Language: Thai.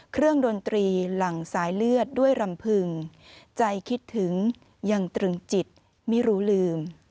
ดนตรีหลังสายเลือดด้วยรำพึงใจคิดถึงยังตรึงจิตไม่รู้ลืม